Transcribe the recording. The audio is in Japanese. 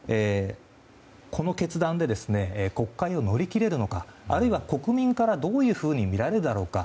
この決断で国会を乗り切れるのかあるいは国民からどういうふうに見られるだろうか。